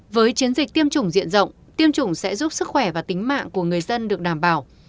với chiến dịch tiêm chủng diện rộng tiêm chủng sẽ giúp sức khỏe và tính mạng của người dân được đảm bảo